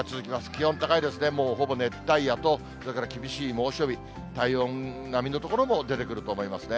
気温高いですね、もうほぼ熱帯夜と、それから厳しい猛暑日、体温並みの所も出てくると思いますね。